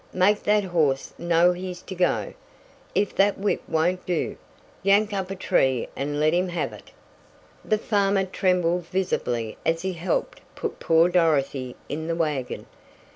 Make that horse know he's to go. If that whip won't do, yank up a tree and let him have it." The farmer trembled visibly as he helped put poor Dorothy in the wagon.